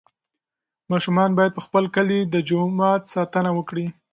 ماشومان باید د خپل کلي د جومات ساتنه وکړي.